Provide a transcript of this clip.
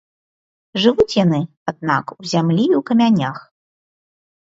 Жывуць яны, аднак, у зямлі і ў камянях.